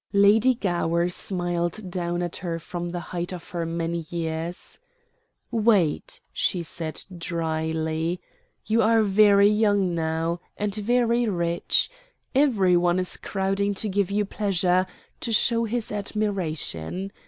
Lady Gower smiled down at her from the height of her many years. "Wait," she said dryly, "you are very young now and very rich; every one is crowding to give you pleasure, to show his admiration.